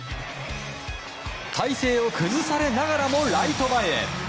体勢を崩されながらもライト前へ。